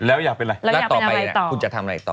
แล้วอยากเป็นอะไรต่อ